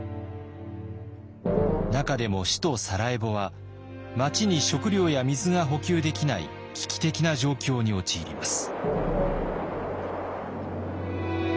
中でも首都サラエボは街に食料や水が補給できない危機的な状況に陥ります。